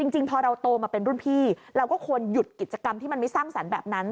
จริงพอเราโตมาเป็นรุ่นพี่เราก็ควรหยุดกิจกรรมที่มันไม่สร้างสรรค์แบบนั้น